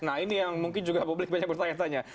nah ini yang mungkin juga publik banyak bertanya tanya